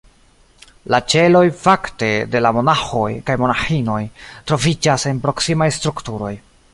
La ĉeloj, fakte, de la monaĥoj kaj monaĥinoj troviĝas en proksimaj strukturoj.